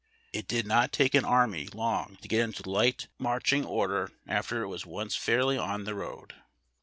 It did not take an army long to get into light marching order after it was once fairly on the road.